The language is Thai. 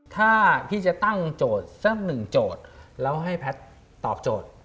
ถ้าพี่จะตั้งโจทย์สักหนึ่งโจทย์แล้วให้แพทย์ตอบโจทย์